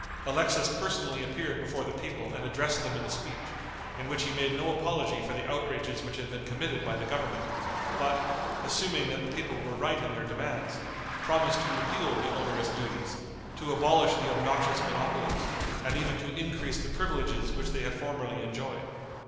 Alexis personally appeared before the people and addressed them in a speech, in which he made no apology for the outrages which had been committed by the government, but, assuming that the people were right in their demands, promised to repeal the onerous duties, to abolish the obnoxious monopolies, and even to increase the privileges which they had formerly enjoyed.